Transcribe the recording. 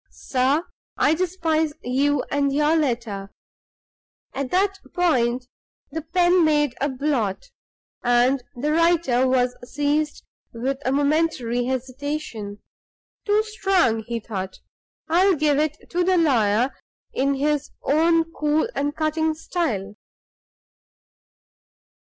"Sir I despise you and your letter. " At that point the pen made a blot, and the writer was seized with a momentary hesitation. "Too strong," he thought; "I'll give it to the lawyer in his own cool and cutting style."